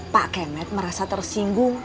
pak kemet merasa tersinggung